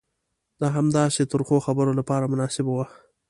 د همداسې ترخو خبرو لپاره مناسبه وه.